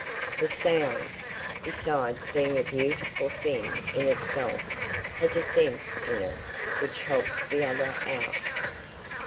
The sound, besides being a beautiful thing in itself, has a sense in it which helps the other out.